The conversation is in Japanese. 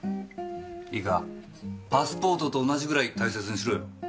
いいかパスポートと同じぐらい大切にしろよ。